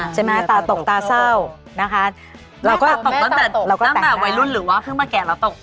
ตาตกตาเศร้านะคะเราก็ตกตั้งแต่ตั้งแต่วัยรุ่นหรือว่าเพิ่งมาแก่แล้วตก